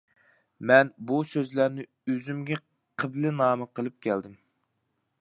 مەن بۇ سۆزلەرنى ئۆزۈمگە قىبلىنەما قىلىپ كەلدىم.